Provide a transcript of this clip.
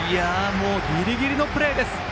ギリギリのプレーです。